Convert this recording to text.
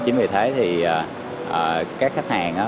chính vì thế thì các khách hàng